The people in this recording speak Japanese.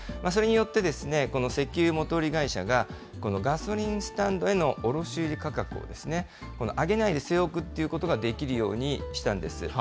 それによって、この石油元売り会社が、ガソリンスタンドへの卸売り価格を上げないで据え置くということができるようにしたんです。